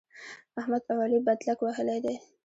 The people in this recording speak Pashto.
احمد او علي بدلک وهلی دی.